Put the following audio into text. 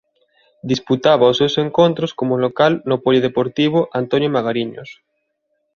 Disputaba os seus encontros como local no Polideportivo Antonio Magariños.